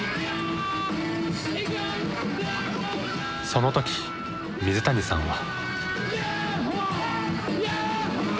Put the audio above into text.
その時水谷さんは。